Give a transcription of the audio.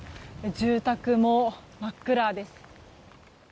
住宅も真っ暗です。